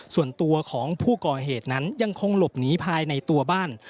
ส่วนตัวของผู้ก่อเหตุนั้นยังคงหลบหนีภายในตัวบ้าน